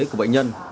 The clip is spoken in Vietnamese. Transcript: của bệnh nhân